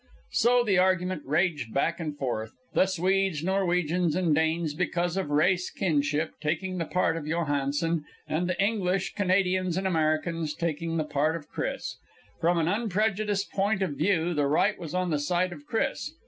And so the argument raged back and forth, the Swedes, Norwegians and Danes, because of race kinship, taking the part of Johansen, and the English, Canadians and Americans taking the part of Chris. From an unprejudiced point of view, the right was on the side of Chris.